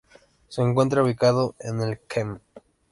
Se encuentra ubicado en el km.